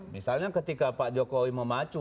misalnya ketika pak jokowi memacu